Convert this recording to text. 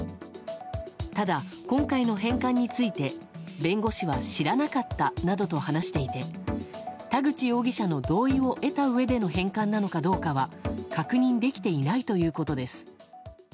ただ、今回の返還について弁護士は知らなかったなどと話していて田口容疑者の同意を得たうえでの返還なのかどうかは確認できていないということです。